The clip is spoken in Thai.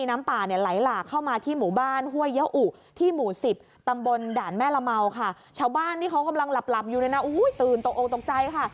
บ้านนี่เขากำลังหลับอยู่ตื่นตกโอ๊ยตกใจค่ะ